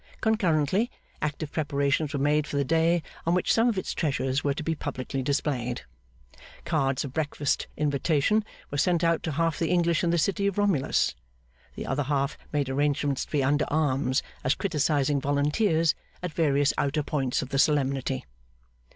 Concurrently, active preparations were made for the day on which some of its treasures were to be publicly displayed. Cards of breakfast invitation were sent out to half the English in the city of Romulus; the other half made arrangements to be under arms, as criticising volunteers, at various outer points of the solemnity.